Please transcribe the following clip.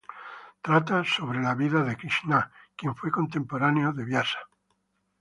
Trata acerca de la vida de Krisná, quien fue contemporáneo de Viasa.